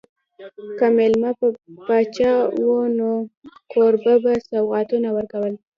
که مېلمه به پاچا و نو کوربه به سوغاتونه ورکول.